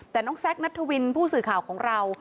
แต่น้องแซคนัทธวินผู้สื่อข่าวของเรา